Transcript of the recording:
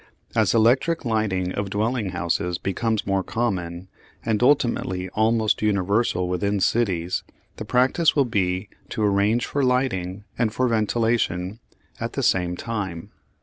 As electric lighting of dwelling houses becomes more common, and ultimately almost universal within cities, the practice will be to arrange for lighting and for ventilation at the same time.